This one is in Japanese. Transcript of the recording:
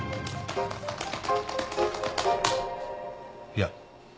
いや。